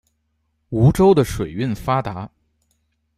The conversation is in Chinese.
梧州的水运发达。